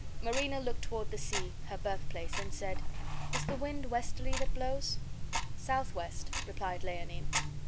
Marina looked toward the sea, her birthplace, and said, "Is the wind westerly that blows?" "Southwest," replied Leonine.